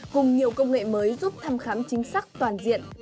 cùng nhiều công nghệ mới giúp thăm khám chính xác toàn diện